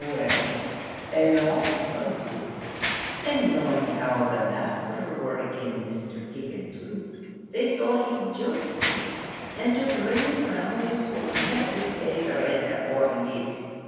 Well, along of this and knowing as how the masther were agin Mr. Keegan too, they thought he'd jine in; and to bring him round, they swore niver to pay the rint afore he did.